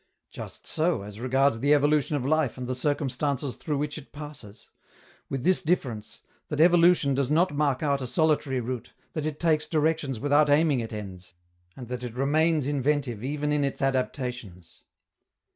Just so as regards the evolution of life and the circumstances through which it passes with this difference, that evolution does not mark out a solitary route, that it takes directions without aiming at ends, and that it remains inventive even in its adaptations.